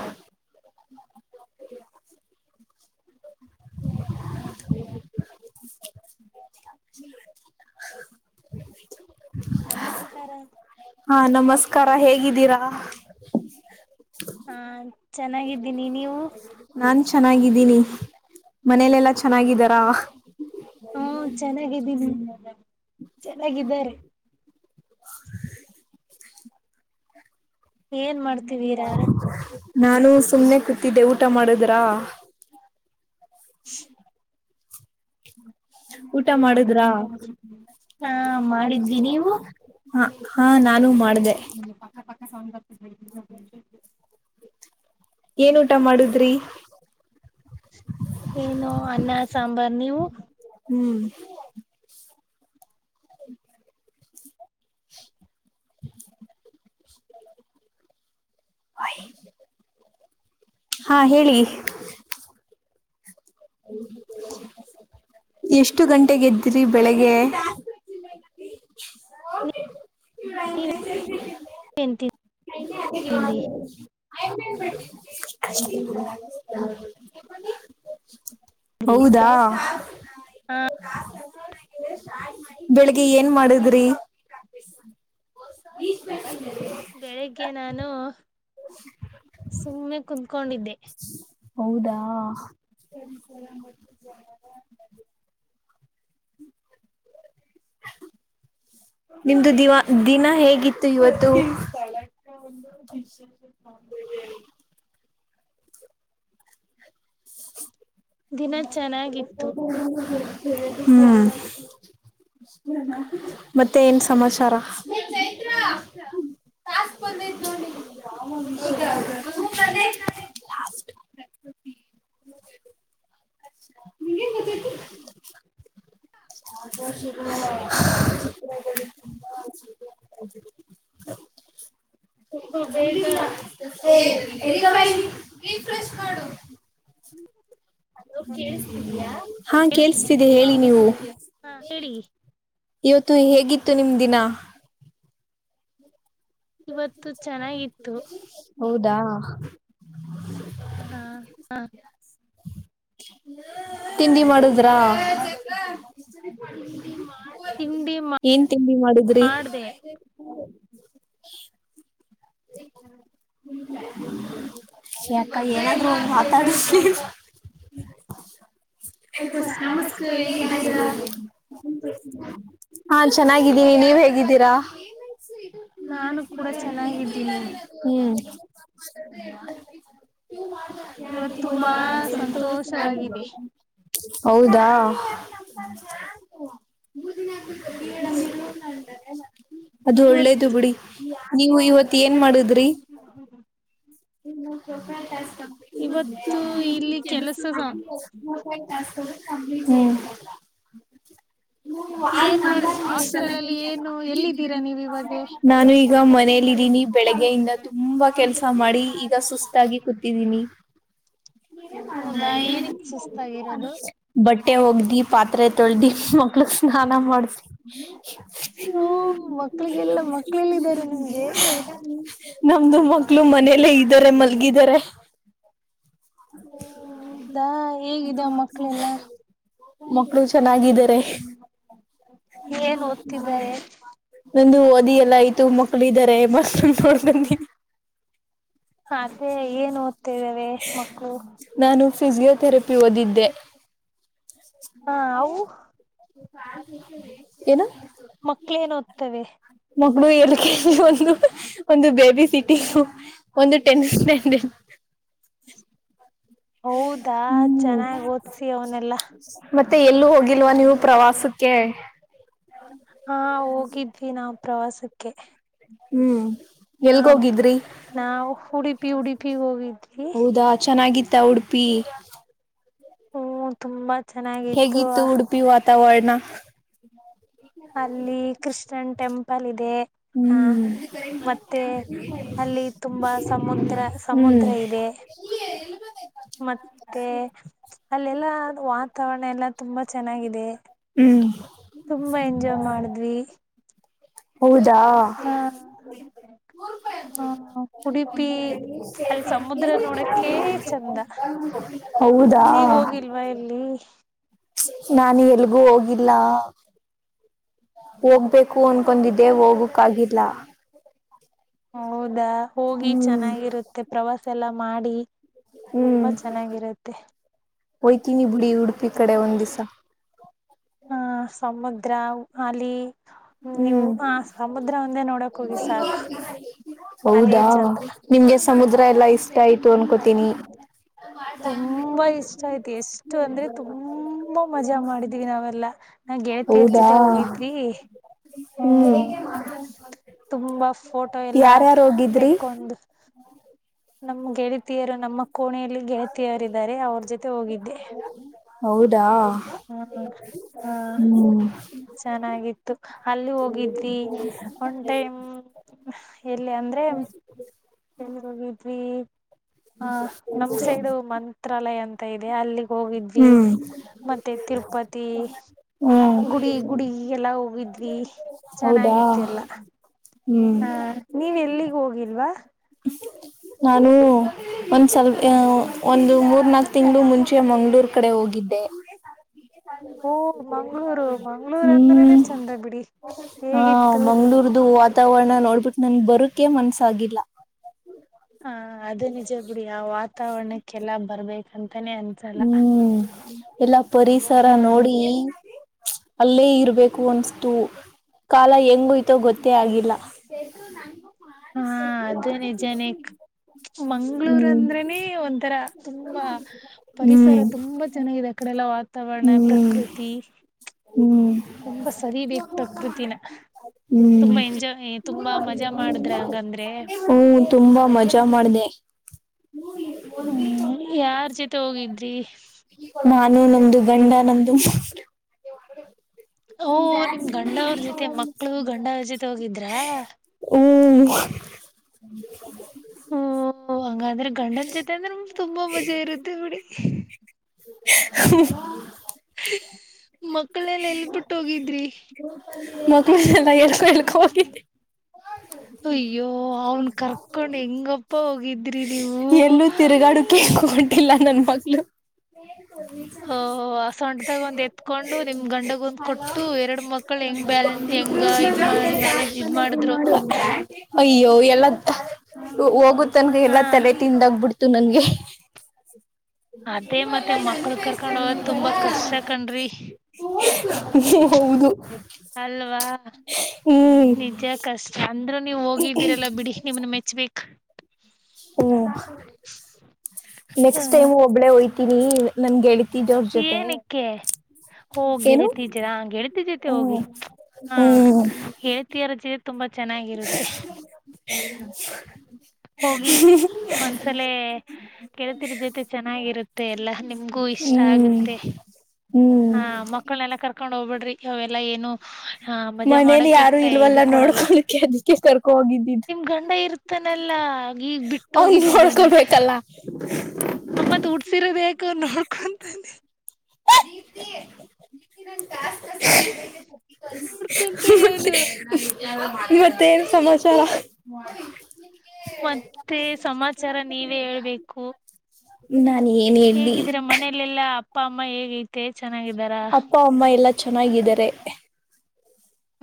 [unintelligible] ನಮಸ್ಕಾರ. ಹಾ ನಮಸ್ಕಾರ ಹೇಗಿದ್ದೀರಾ? ಹಾ ಚೆನ್ನಾಗಿದ್ದೀನಿ ನೀವು. ನಾನ್ ಚೆನ್ನಾಗಿದ್ದೀನಿ ಮನೇಲೆಲ್ಲಾ ಚೆನ್ನಾಗಿದ್ದಾರಾ. ಹಾ ಚೆನ್ನಾಗಿದ್ದೀವಿ. ಹಗ [unintelligible] ಏನ್ ಮಾಡ್ತಿದ್ದೀರಾ ನಾನು ಸುಮ್ನೆ ಕೂತಿದ್ದೆ ಊಟ ಮಾಡುದ್ರಾ? ಹ ಊಟ ಮಾಡುದ್ರಾ ಹ ಮಾಡಿದ್ವಿ ನೀವು? ಹ ಹಾ ನಾನು ಮಾಡ್ದೆ. ಹ ಪಕ್ಕ ಸೌಂಡ್ [unintelligible] ಏನ್ ಊಟ ಮಾಡಿದ್ರಿ? ಏನು ಅನ್ನ ಸಾಂಬಾರ್ ನೀವು. ಹ್ಮ್ ಹ [unintelligible] [inaudible] ಹಾ ಹೇಳಿ. ಎಷ್ಟು ಗಂಟೆಗೆದ್ರಿ ಬೆಳಿಗ್ಗೆ? ಹ [unintelligible] ಹ [unintelligible] [unintelligible] ತಿಂದ್ರಿ [unintelligible] [unintelligible] ಹೀ ಹ [unintelligible] ಬೆಳಿಗ್ಗೆ ಏನ್ ಮಾಡಿದ್ರಿ? [inaudible] [inaudible] ಬೆಳಿಗ್ಗೆ ನಾನು ಸುಮ್ಮನೆ ಕುತ್ಕೊಂಡಿದ್ದೆ. ಹೌದಾ. [inaudible] ನಿಮ್ದು ದಿವಾ ದಿನ ಹೇಗಿತ್ತು ಇವತ್ತು. [inaudible] ದಿನ ಚೆನ್ನಾಗಿತ್ತು [inaudible] ಹ್ಮ್. ಮತ್ತೆ ಏನ್ ಸಮಾಚಾರ. [inaudible] [inaudible] ರಿಫ್ರೆಶ್ ಮಾಡು. ಹಲೋ ಕೇಳ್ಸ್ತೀದೆಯಾ ಹಾ ಕೇಳಿಸ್ದಿ ಕೇಳಿಸತಿದೆ ಹೇಳಿ ನೀವು ಹೇಳಿ. ಇವತ್ತು ಹೇಗಿತ್ತು ನಿಮ ದಿನಾ. ಇವತ್ತು ಚೆನ್ನಾಗಿತ್ತು. ಹೌದಾ. ಹಾ ಹಾ. ತಿಂಡಿ ಮಾಡಿದ್ರಾ. ತಿಂಡಿ [inaudible] ಏನ್ ತಿಂಡಿ ಮಾಡಿದ್ರಿ. ಮಾಡ್ದೆ [inaudible] [inaudible] ಯಾಕ ಏನಾದ್ರು ಒಂದ ಮಾತಾಡು. ನಮಸ್ತೆ ಹೇಗಿದ್ದೀರಾ. ಹಾ ಚೆನ್ನಾಗಿದ್ದೀನಿ ನೀವ್ ಹೇಗಿದ್ದೀರಾ. [inaudible] ನಾನು ಕೂಡ ಚೆನ್ನಾಗಿದ್ದೀನಿ. ಹ್ಮ್. [inaudible] ಇವತ್ತು ತುಂಬಾ ಸಂತೋಷ. [inaudible] ಸಂತೋಷವಾಗಿದೆ ಹೌದಾ. [inaudible] [inaudible] ಅದು ಒಳ್ಳೇದು ಇವತ್ತು ಬಿಡಿ ನೀವು ಇವತ್ ಏನ್ ಮಾಡುದ್ರಿ. [inaudible] [unintelligible] ಇವತ್ತು ಇಲ್ಲಿ ಕೆಲಸ ಸ [inaudible] ಹ್ಮ್. [inaudible] ಏನ್ ಮಾಡ ಹಾಸ್ಟೆಲ್ ಅಲ್ಲಿ ಏನು ಎಲ್ಲಿದ್ದೀರಾ ನೀವ ಇವಾಗ ನಾನು ಈಗ ಮನೇಲ ಇದದ್ದೀನಿ. ಬೆಳಿಗ್ಗೆಯಿಂದ ತುಂಬಾ ಕೆಲ್ಸ ಮಾಡಿ ಈಗ ಸುಸ್ತಾಗಿ ಕೂತಿದ್ದೀನಿ. ಹೌದಾ ಏನಕ್ ಸುಸ್ತಾಗಿರೋದು [inaudible] ಬಟ್ಟೆ ಓಗದಿ ಪಾತ್ ತ್ರೆ ತೋಲ್ದಿ ಮಕ್ಳ ಸ್ನಾ ನಾ ಮಾಡಸಿ. ಓ ಮಕ್ಳಿಗೆಲ್ಲ ಮಕ್ಳೆಲ್ಲ ಇದಾರೆ ನಿಮ್ಗೆ [inaudible] ನಮ್ದು ಮಕ್ಳು ಮನೆಲ್ಲೇ ಇದ್ದಾರೆ ಮಲ್ಗಿದ್ದಾರೆ. ಹೌದಾ ಹೇಗಿದೆ ಮಕ್ಕಳೆಲ್ಲ [inaudible] ಮಕ್ಳು ಸ್ಕೂ ಚೆನ್ನಾಗಿದ್ದಾರೆ. ಏನ್ ಓದ್ತಿದ್ದಾರೆ [inaudible] ನಂದು ಓದಿ ಎಲ್ಲ ಆಯ್ತು ಮಕ್ಳು ಇದಾರೆ ಮಕ್ಳು. [unintelligible] ಅದೇ ಏನ್ ಓದ್ತಿದ್ದವೆ ಮಕ್ಕಳು. ನಾನು ಫಿಸಿಯೋಥೆರಪಿ ಓದಿದ್ದೆ. ಹಾ ಅವು. [inaudible] ಏನು. ಮಕ್ಳೇನ ಓದ್ತವೆ. ಮಗಳು ಎಲ್ ಕೆ ಜಿ ಒಂದು ಒಂದು ಬೇಬಿ ಸಿಟಿಂಗು ಒಂದು ಟೆನಿಸ್ ಮ್ಯಾ [unintelligible] ಹೌದಾ ಚೆನ್ನಾಗ್ ಓದ್ಸಿ ಅವನೆಲ್ಲಾ ಮತ್ತೆ ಎಲ್ಲೂ ಹೋಗಿಲ್ವಾ ನೀವು ಪ್ರವಾಸಕ್ಕೆ? ಹಾ ಹೋಗಿದ್ವಿ ನಾವ್ ಪ್ರವಾಸಕ್ಕೆ ಹ್ಮ್ ಆ ಎಲ್ಗೋಗಿದ್ರಿ ನಾವು ಉಡುಪಿ ಉಡುಪಿಗೆ ಹೋಗಿದ್ವಿ ಹೌದಾ ಚೆನ್ನಾಗಿತ್ತ ಉಡು [unintelligible] ಹ್ಮ ತುಂಬಾ ಚೆನ್ನಾಗಿತ್ತು ಹೇಗಿತ್ತು ಅ [unintelligible] ವಾತಾವರಣ ಅಲ್ಲಿ ಕ್ರಿಶ್ನ್ ಟೆಂಪಲ್ ಇದೆ ಹಾ ಹ್ಮ್ ಮತ್ತೆ ಅಲ್ಲಿ ತುಂಬಾ ಸಮುದ್ರ ಹ್ಮ್ ಸಮುದ್ರ ಇದೆ [unintelligible] [unintelligible] ಮತ್ತೆ ಅಲ್ಲೆಲ್ಲ ವಾತಾವರಣ ಎಲ್ಲ ತುಂಬಾ ಚೆನ್ನಾಗಿದೆ ಹ್ಮ್ ತುಂಬಾ ಎಂಜಾಯ್ ಮಾಡಿದ್ವಿ ಹೌದಾ ಹ ಹ ನೂರ್ ಉಡುಪಿ ರೂಪಾಯಿಯಾಕ್ಬೇಕ ಅಲ್ಲಿ ರೂಪ ಸಮುದ್ರ ನೋಡಕ್ಕೆ [unintelligible] ಚಂದ [unintelligible] [unintelligible] ಹೌದಾ ವೈಲ್ಲಿ ನಾನು ಎಲ್ಗೂ ಹೋಗಿಲ್ಲ ಹೋಗ್ಬೇಕು ಅನ್ಕೊಂಡಿದ್ದೆ ಹೋಗಕ್ ಆಗಿಲ್ಲ. ಹೌದಾ ಹೋಗಿ ಹ್ಮ್ ಚೆನ್ನಾಗಿರುತ್ತೆ ಪ್ರವಾಸ ಎಲ್ಲ ಮಾಡಿ. ಹ್ಮ್ ತುಂಬಾ ಚೆನ್ನಾಗಿರುತ್ತೆ. ಈ ಕಡೆ ಒಂದಿಸಾ ಹ ಸಮುದ್ರ ಅಲಿ ಹ್ಮ್ ಹೋಗಿ ಸಾಕು [unintelligible] ಅದೇ ಹೌದಾ ಚಂದ ನಿಮ್ಗೆ ಸಮುದ್ರ ಎಲ್ಲಾ ಇಷ್ಟ ಆಯ್ತು ಅನ್ಕೋತೀನಿ. ತುಂಬಾ ಇಷ್ಟ ಆಯ್ತು ಎಷ್ಟು ಅಂದ್ರೆ ತುಂಬಾ ಮಜಾ ಮಾಡಿದ್ವಿ ನಾವೆಲ್ಲ. ನಾ ಗೆಳತಿಯರ ಹೌದಾ, ಜೊತೆ ಹೋಗಿದ್ವಿ. ಹ್ಮ್ ತುಂಬಾ ಫೋಟೋ ಎಲ್ಲಾ ಯಾರ್ಯಾರು ಹೋಗಿದ್ರಿ ತೆಕ್ಕೊಂಡ್ ನಮ್ಮ್ ಗೆಳತಿಯರು ನಮ್ಮ ಕೋಣೆಯಲ್ಲಿ ಗೆಳತಿಯರ್ ಇದ್ದಾರೆ ಅವ್ರ ಜೊತೆ ಹೋಗಿದ್ದೆ. ಹೌದಾ ಹ ಹಾ ಹ್ಮ್ ಚೆನ್ನಾಗಿತ್ತು ಅಲ್ಲಿ ಹೋಗಿದ್ವಿ ಒನ್ ಟೈಮ್ ಎಲ್ಲಿ ಅಂದ್ರೆ ಎಲ್ಲಿಗೆ ಹೋಗಿದ್ವಿ ಆ ನಮ್ ಸೈಡು ಮಂತ್ರಾಲಯ ಅಂತ ಇದೆ ಅಲ್ಲಿ ಹೋಗಿದ್ವಿ ಹ್ಮ್ ಮತ್ತೆ ತಿರುಪತಿ ಗುಡಿ ಗುಡಿ ಎಲ್ಲ ಹೋಗಿದ್ವಿ ಹೌದಾ ಚೆನ್ನಾಗಿತ್ತು ಎಲ್ಲಾ ಹ್ಮ್ ಹಾ ನೀವ್ ಎಲ್ಲಿಗ್ ಹೋಗಿಲ್ವಾ ಹ [inaudible] ನಾನು ಒಂದ್ಸಲ್ ಹ ಒಂದು ಮೂರ್ ನಾಕ್ ತಿಂಗಳ್ ಮುಂಚೆ ಮಂಗ್ಗಳೂರ್ ಕಡೆ ಹೋಗಿದ್ದೆ. ಓ ಮಂಗ್ಗಳೂರು ಮಂಗ್ಗಳೂರ್ ಅಂದ್ರನೆ ಹ್ಮ್ ಚಂದ ಬಿಡಿ ಹಾ ಹೇಗಿತ್ತು ಮಂಗ್ಳೂರ್ದು ವ್ ತಾವಣ ನೋಡ್ಬಿಟ್ಟು ನನ್ಗ್ ಬರಕೆ ಮನ್ಸಾಗಿಲ್ಲಾ. ಹ ಅದೇ ನಿಜ ಬಿಡಿ ಆ ವಾತಾವರಣಕ್ಕೆಲ್ಲಾ ಬರ್ಬೇಕಂತಾನೇ ಅನ್ ಹ್ಮ್ ಎಲ್ಲಾ ಪರಿಸರ ಹ್ಮ್ ನೋಡೀ ಪ್ಚ್ ಅಲ್ಲೇ ಇರ್ಬೇಕು ಅನುಸ್ತು ಕಾಲ ಹೆಂಗೋಯ್ತೋ ಗೊತ್ತೇ ಆಗಿಲ್ಲಾ. ಹೆಸ್ರು ನಂಗು ಹಾ ಅದು ನಿಜಾನೆ. ಪ್ಚ್ ಮಂಗ್ಗಳೂರ್ ಹ್ಮ್ ಅಂದ್ರನೇ ಒಂಥರಾ ತುಂಬಾ. ಪರಿಸರ ಹ್ಮ್ ತುಂಬಾ ಚೆನ್ನಾಗಿದೆ ಆ ಕಡೆಲ್ಲಾ ವಾತಾವರಣ ಪ್ರಕೃತಿ. ಹು ತುಂಬಾ ಸವಿಬೇಕ ಪ್ರಕೃತಿನ. ತುಂಬಾ ಹ್ಮ್ ಎಂಜಾಯ್ ತುಂಬಾ ಮಜಾ ಮಾಡಿದ್ರ ಹಂಗಂದ್ರೆ. ತುಂಬ ಮಜಾ ಮಾಡಿದೆ. ಹು ಹೇಳಿ ಹು ಯಾರ್ ಜೊತೆ ಹೋಗಿದ್ರಿ. ನಾನು ನಮ್ದು ಗಂಡಾ ನಮ್ದು ಶಾಸ್ತ್ರಿ. ನೀವು ಆಕಡೆ ಹುಡುಕ್ಬೇಕು. ಓ ನಿಮ್ಮ ಗಂಡಾವ್ರ ಜೊತೆ ಮಕ್ಕಳು ಗಂಡಾವ್ರ ಜೊತೆ ಹೋಗಿದ್ರಾ. ಹೂ ಅಂಜಲಿ ಗಂಬಾ ಅಂತ ಹೇಳಿ. ಓ ಹಂಗಾದ್ರೆ ಗಂಡನ ಜೊತೆ ಅಂದ್ರೆ ನು ತುಂಬಾ ಮಜಾ ಇರುತ್ತೆ ಬಿಡಿ. ಹ ಹ್ಹು ಕ್ಕ್ ಮಕ್ಕಳೆನೆಲ್ಲಾ ಎಲ್ಲ ಬಿಟ್ಟ ಹೋಗಿದ್ರಿ. ಮಕ್ಳು ಎಲ್ಲ ಎಲ್ಲಿ ಎಳ್ಕ ಹೋಗಿದ್. ಅಯ್ಯೋ ಅವನ್ ಕರ್ಕೊಂಡ್ ಹೆಂಗಪ್ಪ ಹೋಗಿದ್ರಿ ನೀವು ಎಲ್ಲೂ ತಿರುಗಾಡುಕ್ಕೆ ಗೋಳಿ. ಇಲ್ಲಾ ನನ್ ಮಗಳು. ಮನೆ ಬಿಟ್ಟು ಹೋಗ್ರಿ. ಓ ಆ ಸೊಂಟದಾಗ ಒಂದ ಎತ್ಕೊಂಡು ನಿಮ್ಮ. ಗಂಡಗೊಂದ್ ಕೊಟ್ಟು ಎರಡು ಮಕ್ಕಳನ ಹೆಂಗ್ ಬ್ಯಾಲೆನ್ಸ್ ಹೆಂಗ ಇದ್ ಮಾಡ ಮ್ಯಾನೇಜ್ ಇದ್ ಮಾಡದ್ರೋ. ಅಯ್ಯೋ ಎಲ್ಲಾ ತ್ತ ಹೋಗುತನಕಾ ಹ ಎಲ್ಲಾ ತಲೆ ತಿಂದಾಗಬಿಡ್ತು ನನಗೆ. ಅದೇ ಮತ್ತೆ ಮಕ್ಳ ಕರ್ಕೊಂಡ ಹೋಗೋದ ತುಂಬಾ ಕಷ್ಟ ಕಣ್ರಿ. ತೋರ್ಸಲ ಹೌದು. ಅಲ್ವಾ ಹ್ಮ್ ನಿಜ ಕಷ್ಟ ಅಂದ್ರರು ನೀವು ಹೋಗಿದ್ದೀರಲ್ಲ ಬಿಡಿ. ನಿಮನ ಮೆಚ್ಬೇಕು. ಹು ಹ ನೆಕ್ಸ್ಟ್ ಟೈಮ್ ಒಬ್ಬಳೇ ಹೂಯ್ತೀನಿ. ನನ್ನ ಗೆಳತಿದೋರ್ ಜೊತೆ. ಕ್ಕೆ ಹೋ ಏನು ಗೆಳತಿದರಾ ಗೆಳತಿ ಜೊತೆ ಹೋಗಿ ಹ್ಮ್ ಹಾ ಹ್ಮ್ ಗೆಳ್ ತೀರಜ ತುಂಬಾ ಚೆನ್ನಾಗಿರುತ್ತೆ. ಹ ಹ್ಹು ಹೋಗಿ ಒಂದ್ಸಲೆ. ಗೆಳತಿಯರ ಜೊತೆ ಚೆನ್ನಾಗಿರುತ್ತೆ ಎಲ್ಲಾ ನಿಮ್ಗೂ ಇಷ್ಟ ಹ್ಮ್ ಆಗುತ್ತೆ. ಹ್ಮ್ ಹಾ ಮಕ್ಕಳನ್ನನೆಲ್ಲಾ ಕರ್ಕೊಂಡ್ ಹೋಗ್ ಬಿಡ್ರಿ ಅವೆಲ್ಲಾ ಏನು. ಹ ಮಜಾ ಮನೇಲಿ ಮಾಡಕ ಯಾರು ಇಟ್ಟ ಇಲ್ವಲ್ಲ ಇದು ನೋಡ್ಕೋಳಕ್ಕೆ ಅದಕ್ಕೆ ಕರರ್ಕೊ ಹೋಗಿದ್ದು. ನಿಮ್ಮ ಗಂಡ ಇರ್ತಾನಲ್ಲಾ ಗಿ ಈಗ್ ಬಿಟ್ಟೋಗಿ ನಿಮ್ಮ ಗಂಡನ. ಏನ ಬೇಕ ಅವತ್ತ ಉಡ್ಸಿರ ಬೇಕ ನೋಡ್ಕೊಂತಾನೆ. ಐ ಬಿದ್ದಿ. ಬಿದ್ದೀರನ್ ಟಾಸ್ಕ್ ಅಸೆ ನೋಡ್ಕೊಂತಾನೆ ಅವನು ಮೊದ್ಲೇ. ಇವತ್ತೇನ್ ಸಮಾಚಾ ರಾ. ಮತ್ತೆ ಸಮಾಚಾರ ನೀವೇ ಹೇಳ್ಬೇಕು. ನಾನು ಏನ್ ಹೇಳಲಿ. ಮನೇಲೆಲ್ಲ ಅಪ್ಪ ಅಮ್ಮ ಹೇಗ ತೇ ಚೆನ್ನಾಗಿದ್ದಾರ. ಅಪ್ಪ ಅಮ್ಮ ಎಲ್ಲಾ ಚೆನ್ನಾಗಿದ್ದಾರೆ.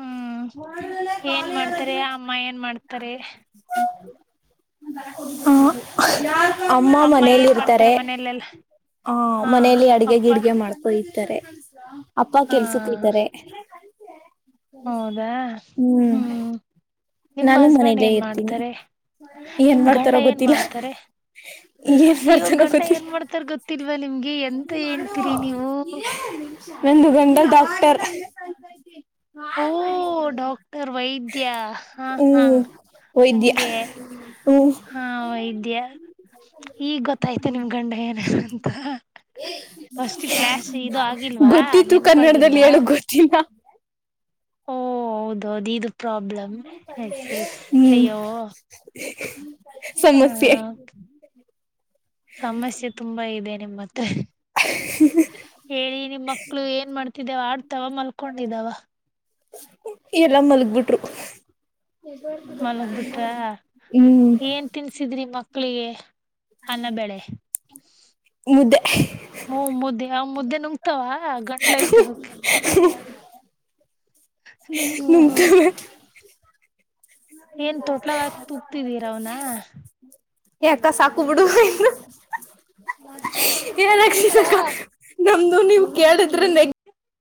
ಹ್ಮ್ [unintelligible] ಏನ್ ಖಾಲಿ ಮಾಡ್ತಾರೆ ಯಾರಾದ್ರೂ. ಅಮ್ಮ ಏನ್ ಮಾಡ್ತಾರೆ [inaudible] ಅಮ್ಮ ಮನೇಲಿ ಇರ್ತಾರೆ. [unintelligible] ಹಾ ಮನೇಲಿ ಅಡ್ಗೆ ಅಪ್ಪ ಗಿಡ್ಗೆ ಮಾಡ್ಕೊ ಹೋಯ್ತಾರೆ ಅಪ್ಪ ಹಾ ಕೆಲ್ಸಕ್ಕ ಹೋಯ್ತಾರೆ. ಹೌದಾ ಹ್ಮ್ ಹ್ಮ್. ನಿಮ್ಮ ನಾನು ಹಸ್ಬೆಂಡ್ ಮನೆಯಲ್ಲೇ ಏನ್ ಇರ್ತೀನಿ ಮಾಡ್ತಾರೆ ಏನ್ ನಿಮ್ ಗಂಡ ಮಾಡ್ತಾರೋ ಏನ್ ಗೊತ್ತಿಲ್ಲಾ. ಮಾಡ್ತಾರೆ ಏನ್ ಅಯ್ಯೋ ಮಾಡ್ತಾನೋ ಗಂಡ ಏನ್ ಗೊತ್ತಿಲ್ಲಾ. ಮಾಡ್ತಾರ ಗೊತ್ತಿಲ್ವಾ ನಿಮ್ಗೆ ಎಂತ ಹೇಳ್ತೀರಿ ನೀವು [unintelligible] ನಂದು ಗಂಡ ಡಾಕ್ಟರ್. ಓ ಡಾಕ್ಟರ್ ವೈದ್ಯ ಹಾ ಹಾ ಹ್ಮ್ ವೈದ್ಯ ಹಂಗೆ. ಹ್ಮ್ ಹಾ ವೈದ್ಯ. ಈಗ್ ಗೊತ್ತಾಯ್ತು ನಿಮ್ ಗಂಡ ಏನು ಅಂತಾ. [inaudible] ಆಗಿಲ್ವಾ ಗೊತ್ತಿತ್ತು ಕನ್ನಡದಲ್ಲಿ ನೆನಪಾಗಿಲ್ವಾ ಹೇಳಕ್ ಗೊತ್ತಿಲ್ಲಾ. ಓ ಹೌದೌದು ಇದು ಪ್ರಾಬ್ಲಮ ಎಸ್ ಎಸ್ ಹ್ಮ್ ಅಯ್ಯೋ. ಸಮಸ್ಯೆ ಹ್ಮ. ಸಮಸ್ಯೆ ತುಂಬಾ ಇದೆ ನಿಮ್ಮ ಮತ್ತೆ. ಹೇಳಿ ನಿಮ್ಮ ಮಕ್ಳು ಏನ್ ಮಾಡ್ತಿದ್ದೇವ ಆಡ್ತಾವ ಮಲ್ಕೊಂಡಿದಾವ. ಎಲ್ಲಾ ಮಲಗ್ ಬಿಟ್ರು. [inaudible] ಮಲಗ್ ಬಿಟ್ರ ಹ್ಮ್. ಏನ್ ತಿನ್ಸಿದ್ರಿ ಮಕ್ಕಳಿಗೆ ಅನ್ನ ಬೆಳೆ. ಮುದ್ದೆ ಹ್ಮ್ ಮುದ್ದೆ ಅವ ಮುದ್ದೆ ನುಂಗ್ತಾವ ಗಟ್ಲೆ ಐತೆ ಅವುಕ್ಕೆ. [unintelligible] ನುಂಗ್ತವೆ. ಏನ್ ತೊಟ್ಲಗ ಹಾಕ್ ತೂಕ್ತಿದೀರ ಅವನ. ಯಾಕ್ಕ ಸಾಕು ಬಿಡು ಇನ್ನು. [unintelligible] ನಮ್ದು ನೀವು ಕೇಳಿದ್ರೆ ನೆಗ್